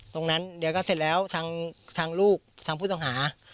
ตรงนั้นเดี๋ยวก็เสร็จแล้วทางลูกทางผู้ต้องหา